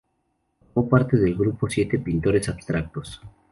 Formó parte del grupo Siete Pintores Abstractos.